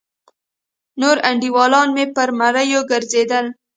نور انډيولان مې پر مړيو گرځېدل.